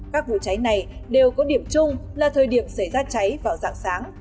các vụ cháy này đều có điểm chung là thời điểm xảy ra cháy vào dạng sáng